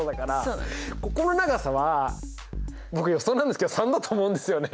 ここの長さは僕予想なんですけど３だと思うんですよね。